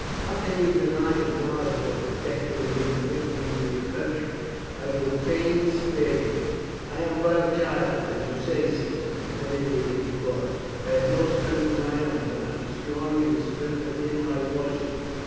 How can you deny the gods who have protected and given victory to your country? I would fain spare you." "I am but a child, as you say, Caesar," Ennia replied. "I have no strength of my own, but I am strong in the strength of Him I worship.